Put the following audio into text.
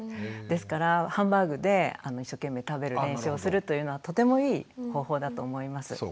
ですからハンバーグで一生懸命食べる練習をするというのはとてもいい方法だと思います。